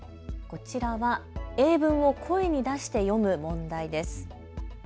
こちらは英文を声に出して読む問題です。